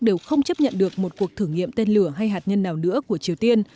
đều không chấp nhận được một cuộc thử nghiệm tên lửa hay hạt nhân nào nữa của triều tiên